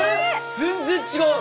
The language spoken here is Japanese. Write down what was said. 全然違う！